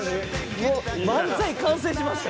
もう漫才完成しましたよ。